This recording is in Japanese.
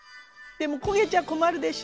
でも焦げちゃ困るでしょ？